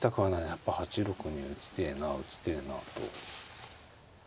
やっぱ８六に打ちてえな打ちてえなと。